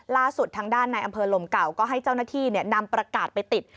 ล่าสุดทางด้านในอำเภอลมเก่าก็ให้เจ้าหน้าที่นำประกาศไปติด